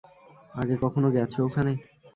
আগে কখনো গেছ ওখানে?